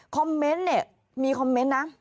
คอมเมนต์เนี่ยมีคอมเมนต์นะ